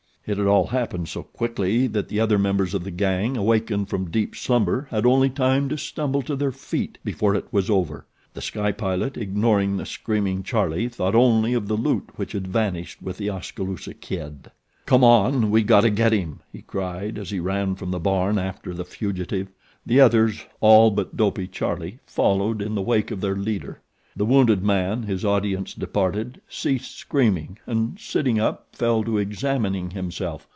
It had all happened so quickly that the other members of the gang, awakened from deep slumber, had only time to stumble to their feet before it was over. The Sky Pilot, ignoring the screaming Charlie, thought only of the loot which had vanished with the Oskaloosa Kid. "Come on! We gotta get him," he cried, as he ran from the barn after the fugitive. The others, all but Dopey Charlie, followed in the wake of their leader. The wounded man, his audience departed, ceased screaming and, sitting up, fell to examining himself.